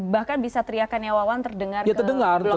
bahkan bisa teriakannya wawan terdengar ke blok yang lain lain